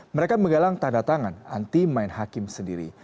mereka menggalang tanda tangan anti main hakim sendiri